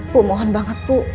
bu mohon banget bu